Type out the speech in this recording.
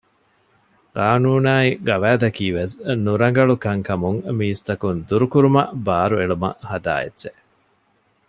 ޤާނޫނާއި ޤަވާއިދަކީ ވެސް ނުރަނގަޅު ކަންކަމުން މީސްތަކުން ދުރުކުރުމަށް ބާރުއެޅުމަށް ހަދާ އެއްޗެއް